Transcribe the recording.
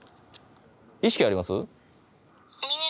意識あります？